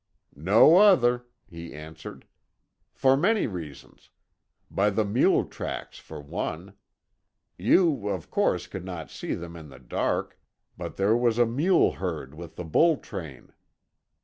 "No other," he answered. "For many reasons. By the mule tracks, for one. You, of course, could not see them in the dark, but there was a mule herd with the bull train.